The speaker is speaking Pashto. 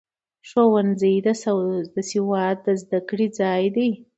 ښوونځی د سواد د زده کړې ځای دی.